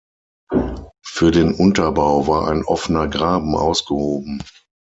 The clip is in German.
Für den Unterbau war ein offener Graben ausgehoben.